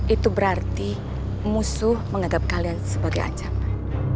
itu berarti musuh menganggap kalian sebagai ancaman